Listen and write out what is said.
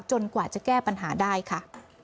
กว่าจะแก้ปัญหาได้ค่ะ